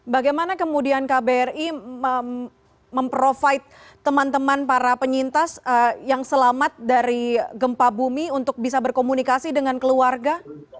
bagaimana kemudian kbri memprovide teman teman para penyintas yang selamat dari gempa bumi untuk bisa berkomunikasi dengan keluarga